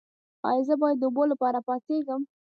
ایا زه باید د اوبو لپاره پاڅیږم؟